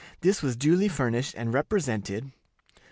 This was duly furnished, and represented, "1.